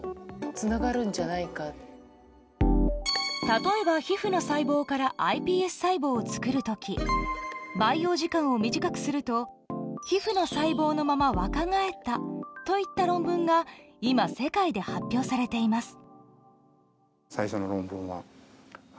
例えば、皮膚の細胞からｉＰＳ細胞を作る時培養時間を短くすると皮膚の細胞のまま若返ったという論文が今、世界で発表されています。